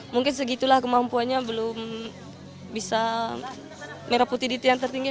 mungkin segitulah kemampuannya belum bisa merah putih di tiang tertinggi